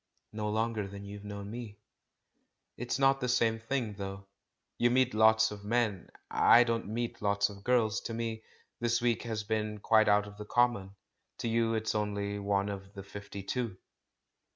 "No longer than you've known me." "It's not the same thing, though. You meet lots of men; I don't meet lots of girls. To me this week has been quite out of the common; to you it's only one of the fifty two."